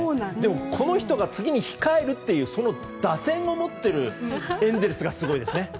この人が次に控える打線を持っているエンゼルスがすごいですね。